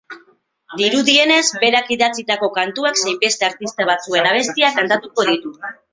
Dirudienez, berak idatzitako kantuak zein beste artista batzuen abestiak kantatuko ditu.